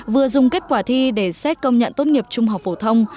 vừa dùng kết quả thi để xét công nhận tốt nghiệp trung học phổ thông